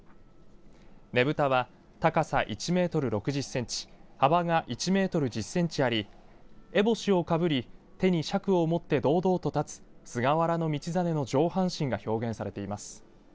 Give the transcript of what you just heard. ねぶたは高さ１メートル６０センチ幅が１メートル１０センチありえぼしをかぶり手にしゃくを持って堂々と立つ菅原道真の上半身が表現されています。